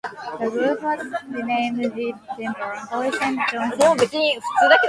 The group was renamed Denver, Boise and Johnson.